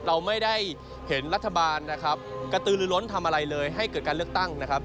เราไม่ได้เห็นรัฐบาลนะครับกระตือหรือล้นทำอะไรเลยให้เกิดการเลือกตั้งนะครับ